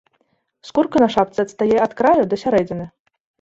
Скурка на шапцы адстае ад краю да сярэдзіны.